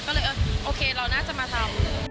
ก็เลยเออโอเคเราน่าจะมาทำ